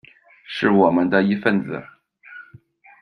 是我们的一分子